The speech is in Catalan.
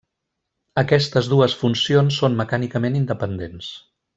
Aquestes dues funcions són mecànicament independents.